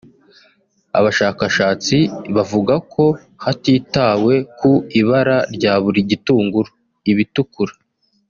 Abashakashati bavuga ko hatitawe ku ibara rya buri gitunguru (ibitukura